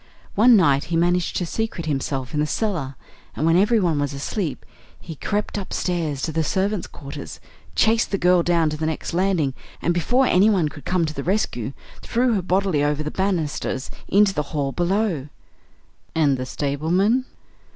One night he managed to secrete himself in the cellar, and when everyone was asleep, he crept upstairs to the servants' quarters, chased the girl down to the next landing, and before anyone could come to the rescue threw her bodily over the banisters into the hall below." "And the stableman